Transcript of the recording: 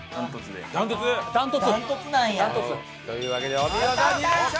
断トツなんや！というわけでお見事２連勝！